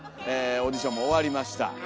オーディションも終わりました。